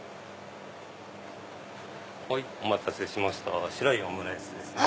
お待たせしました白いオムライスですね。